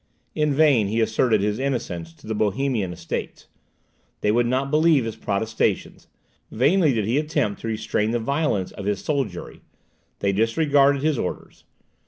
In vain he asserted his innocence to the Bohemian Estates; they would not believe his protestations; vainly did he attempt to restrain the violence of his soldiery; they disregarded his orders.